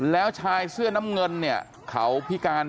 แล้วชายเสื้อน้ำเงินเนี่ยเขาพิการ